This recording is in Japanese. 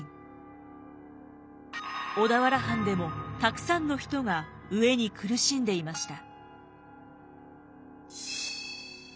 小田原藩でもたくさんの人が飢えに苦しんでいました。